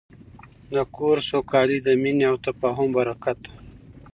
د کور سوکالي د مینې او تفاهم په برکت ده.